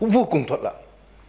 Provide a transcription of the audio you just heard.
vô cùng thuận lợi